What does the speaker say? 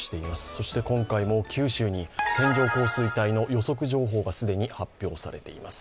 そして今回も九州に線状降水帯の予測情報が既に発表されています。